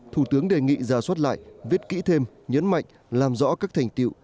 thủ tướng đề nghị ra soát lại viết kỹ thêm nhấn mạnh làm rõ các thành tiệu